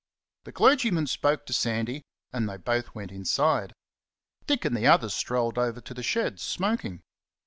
The clergyman spoke to Sandy, and they both went inside. Dick and the others strolled over to the shed, smoking.